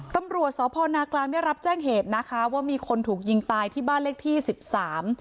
ตำรวจสพนากลางได้รับแจ้งเหตุนะคะว่ามีคนถูกยิงตายที่บ้านเลขที่สิบสาม